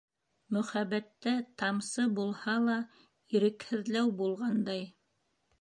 Мөхәббәттә тамсы булһа ла ирекһеҙләү булғандай.